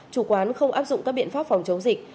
chủ quán không áp dụng các biện pháp phòng chống dịch